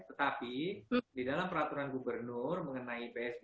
tetapi di dalam peraturan gubernur mengenai psbb